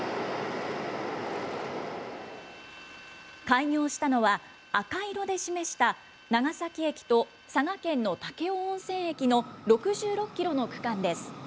開業したのは、赤色で示した、長崎駅と佐賀県の武雄温泉駅の６６キロの区間です。